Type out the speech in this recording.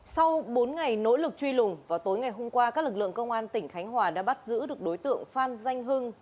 sau bốn ngày nỗ lực truy lùng vào tối ngày hôm qua các lực lượng công an tỉnh khánh hòa đã bắt giữ được đối tượng phan danh hưng